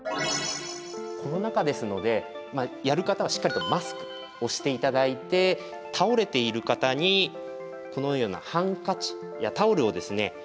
コロナ禍ですのでやる方はしっかりとマスクをして頂いて倒れている方にこのようなハンカチやタオルをですね